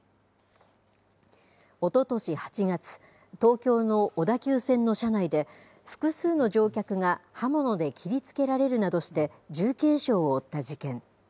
おととし８月、東京の小田急線の車内で、複数の乗客が刃物で切りつけられるなどして、重軽傷を負った事件。